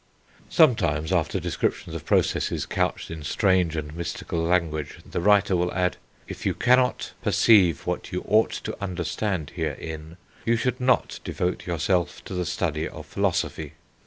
Sometimes, after descriptions of processes couched in strange and mystical language, the writer will add, "If you cannot perceive what you ought to understand herein, you should not devote yourself to the study of philosophy."